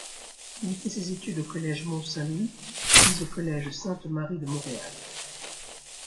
Il fait ses études au collège Mont-Saint-Louis puis au collège Sainte-Marie de Montréal.